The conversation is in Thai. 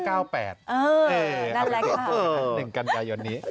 แก่นการยนต์นี้